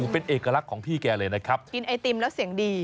เป็นเอกลักษณ์ของพี่แกเลยนะครับกินไอติมแล้วเสียงดี